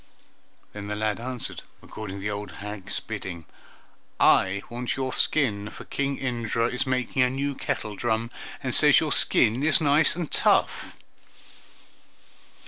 Then the lad answered, according to the old hag's bidding, "I want your skin, for King Indra is making a new kettledrum, and says your skin is nice and tough."